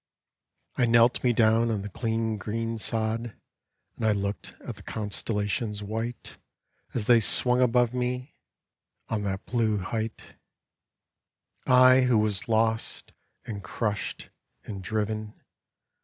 I knelt me down on the clean green sod, And I looked at the constellations white As they swung above me, on that blue height; I who was lost, and crushed, and driven.